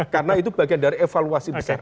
karena itu bagian dari evaluasi besar